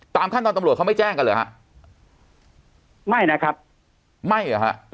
ขั้นตอนตำรวจเขาไม่แจ้งกันเหรอฮะไม่นะครับไม่เหรอฮะ